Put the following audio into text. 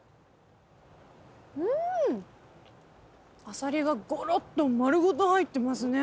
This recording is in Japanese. あさりがごろっと丸ごと入ってますね。